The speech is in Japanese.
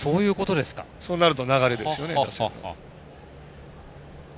そうなると流れですよね。